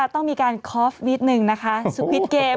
ต้องมีการคอฟนิดนึงนะคะสพิทเกม